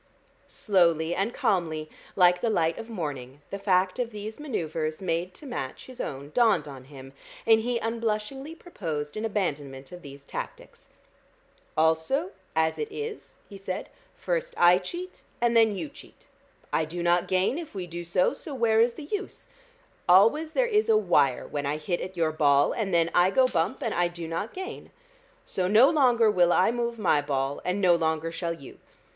Slowly and calmly, like the light of morning, the fact of these manoeuvres made to match his own dawned on him, and he unblushingly proposed an abandonment of these tactics. "Also, as it is," he said, "first I cheat, and then you cheat. I do not gain if we do so, so where is the use? Always there is a wire when I hit at your ball, and then I go bump, and I do not gain. So no longer will I move my ball, and no longer shall you.